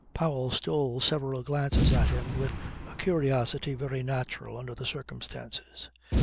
Powell stole several glances at him with a curiosity very natural under the circumstances.